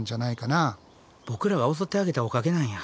ボクらが襲ってあげたおかげなんや。